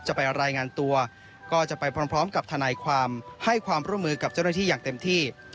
จะไปรายงานตัวก็จะไปพร้อมกับทนายความให้ความร่วมมือกับเจ้าหน้าที่อย่างเต็มที่